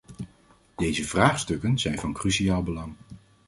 Deze vraagstukken zijn van cruciaal belang.